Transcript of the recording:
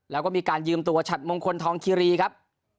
แล้วก็มีการยืมตัวฉัดมงคลทองคิรีครับ